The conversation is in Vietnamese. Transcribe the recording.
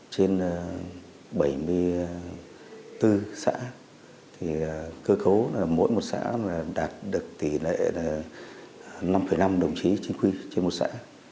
trên bảy mươi bốn xã thì cơ cấu mỗi một xã đạt được tỷ lệ năm năm đồng chí chính quy trên một xã